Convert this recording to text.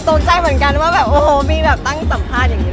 สงสัยเหมือนกันว่าแบบมีตั้งสัมภาษณ์อย่างนี้ด้วย